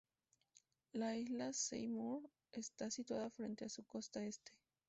La Isla Seymour está situada frente a su costa oeste.